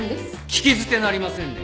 聞き捨てなりませんね。